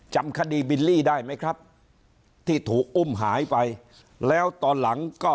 จำคดีบิลลี่ได้ไหมครับที่ถูกอุ้มหายไปแล้วตอนหลังก็